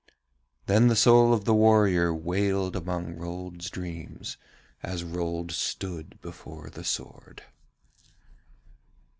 Then the soul of the warrior wailed among Rold's dreams, as Rold stood before the sword.